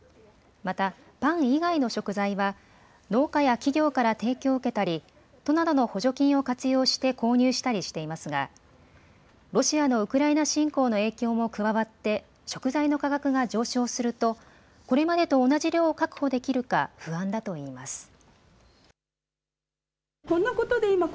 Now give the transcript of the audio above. また、パン以外の食材は農家や企業から提供を受けたり都などの補助金を活用して購入したりしていますがロシアのウクライナ侵攻の影響も加わって食材の価格が上昇するとこれまでと同じ量を確保できるか不安だといいます。